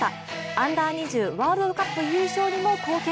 Ｕ−２０ワールドカップ優勝にも貢献。